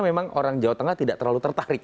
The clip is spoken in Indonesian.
memang orang jawa tengah tidak terlalu tertarik